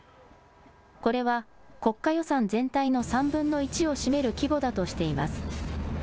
これは、国家予算全体の３分の１を占める規模だとしています。